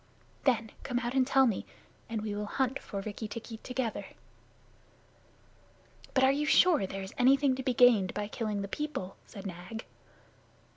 Then come out and tell me, and we will hunt for Rikki tikki together." "But are you sure that there is anything to be gained by killing the people?" said Nag.